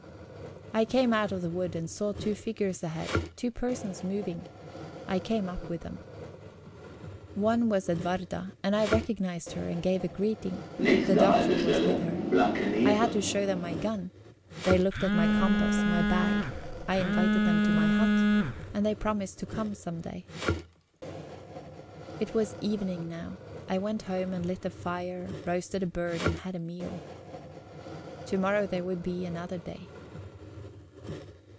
I came out of the wood and saw two figures ahead, two persons moving. I came up with them. One was Edwarda, and I recognized her, and gave a greeting; the Doctor was with her. I had to show them my gun; they looked at my compass, my bag; I invited them to my hut, and they promised to come some day. It was evening now. I went home and lit a fire, roasted a bird, and had a meal. To morrow there would be another day...